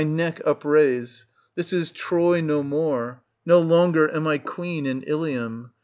99—191 neck upraise ; this is Troy no more, no longer am I queen in Ilium.